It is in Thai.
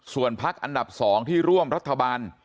ส่วนพักอันดับ๒ที่ร่วมรัฐบาล